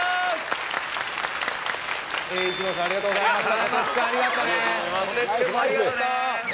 英一郎さんありがとうございました